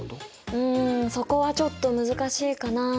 うんそこはちょっと難しいかな。